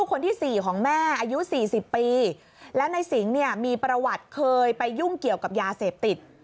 ทุกคนที่๔ของแม่อายุ๔๐ปีและในสิงห์มีประวัติเคยไปยุ่งเกี่ยวกับยาเสพติด